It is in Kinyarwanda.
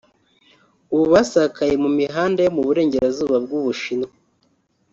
ubu basakaye mu mihanda yo mu Burengerazuba bw’u Bushinwa